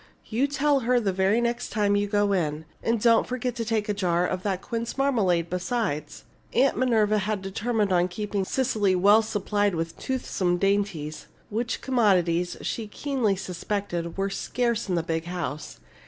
You tell her the very next time you go in. And don't forget to take a jar of that quince marmalade, besides." Aunt Minerva had determined on keeping Cecily well supplied with toothsome dainties, which commodities, she keenly suspected, were scarce in the big house.